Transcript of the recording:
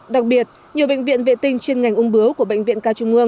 đặc biệt nhiều bệnh viện vệ tinh chuyên ngành ung bướu của bệnh viện k trung mương